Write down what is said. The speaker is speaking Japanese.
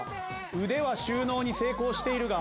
腕は収納に成功しているが。